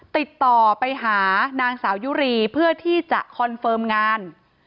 ติดต่อไปหานางสาวยุรีเพื่อที่จะคอนเฟิร์มงาน